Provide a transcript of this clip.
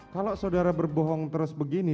kalau saudara berbohong terus begini